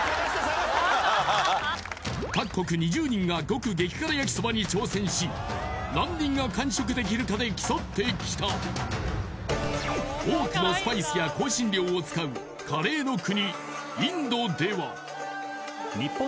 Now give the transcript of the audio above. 各国２０人が獄激辛やきそばに挑戦し何人が完食できるかで競ってきた多くのスパイスや香辛料を使うカレーの国